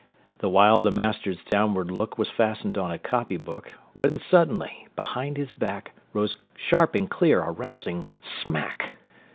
The while the master's downward look Was fastened on a copy book; When suddenly, behind his back, Rose sharp and clear a rousing smack!